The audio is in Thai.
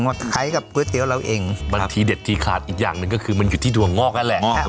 มาใช้กับก๋วยเตี๋ยวเราเองบางทีเด็ดทีขาดอีกอย่างหนึ่งก็คือมันอยู่ที่ดวงงอกนั่นแหละ